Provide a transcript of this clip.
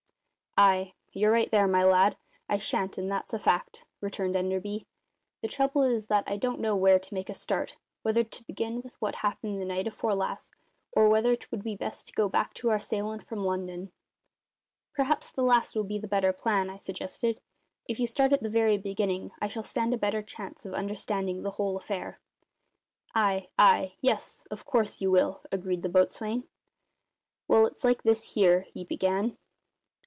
"Ay, you're right there, my lad, I shan't, and that's a fact," returned Enderby. "The trouble is that I don't know where to make a start whether to begin with what happened the night afore last, or whether 'twould be best to go back to our sailin' from London." "Perhaps the last will be the better plan," I suggested. "If you start at the very beginning I shall stand a better chance of understanding the whole affair." "Ay, ay; yes, of course you will," agreed the boatswain. "Well, it's like this here," he began.